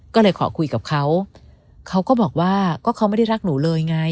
ก็เลยขอคุยกับเขาเขาก็บอกว่าก็เขาไม่ได้รักหนูเลยไง